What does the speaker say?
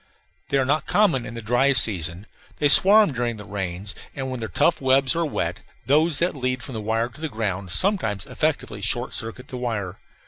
They are not common in the dry season. They swarm during the rains; and, when their tough webs are wet, those that lead from the wire to the ground sometimes effectually short circuit the wire.